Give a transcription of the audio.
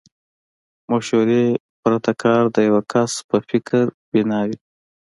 مشورې پرته کار د يوه کس په فکر بنا وي.